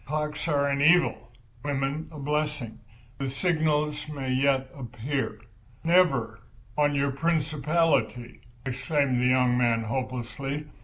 Clocks are an evil, women a blessing. The signal may yet appear." "Never, on your principality!" exclaimed the young man, hopelessly.